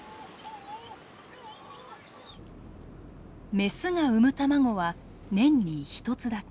雌が産む卵は年に１つだけ。